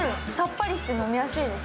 さっぱりして飲みやすいです。